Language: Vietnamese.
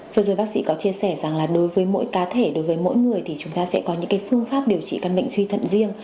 vừa rồi bác sĩ có chia sẻ rằng là đối với mỗi cá thể đối với mỗi người thì chúng ta sẽ có những phương pháp điều trị các bệnh suy thận riêng